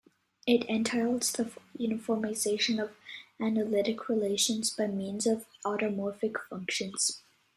It entails the uniformization of analytic relations by means of automorphic functions.